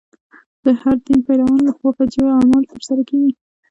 د هر دین پیروانو له خوا فجیع اعمال تر سره کېږي.